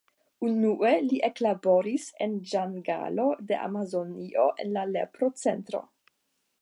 Unue li eklaboris en ĝangalo de Amazonio en la lepro-centro.